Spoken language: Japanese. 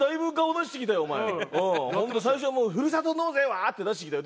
最初はもう「ふるさと納税は！」って出してきたよ。